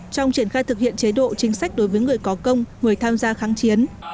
trong triển khai thực hiện chế độ chính sách đối với người có công người tham gia kháng chiến